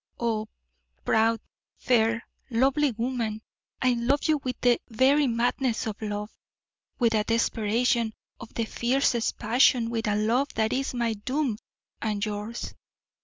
Oh, proud, fair, lovely woman! I love you with the very madness of love, with a desperation of the fiercest passion with a love that is my doom and yours.